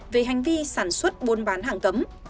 về hành vi sản xuất buôn bán hàng cấm